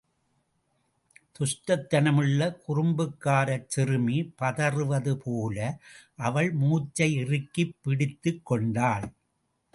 துஷ்டத் தனமுள்ள குறும்புக்காரச் சிறுமி பதறுவது போல, அவள் மூச்சையிறுக்கிப் பிடித்துக் கொண்டாள்.